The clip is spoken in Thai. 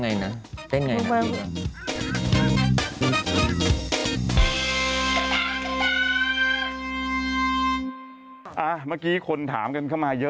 เมื่อกี้คนถามกันเข้ามาเยอะ